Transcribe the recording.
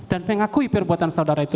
dan mengakui perbuatan saudara itu